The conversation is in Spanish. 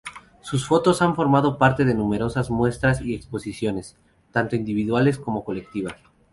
Sus fotos han formado parte de numerosas muestras y exposiciones, tanto individuales como colectivas.